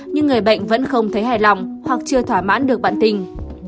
nhưng người bệnh vẫn không thấy hài lòng hoặc chưa thỏa mãn được bản tình